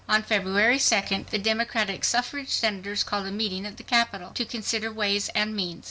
On February 2d, the Democratic Suffrage Senators called a meeting at the Capitol to "consider ways and means."